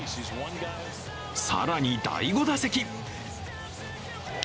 更に第５打席。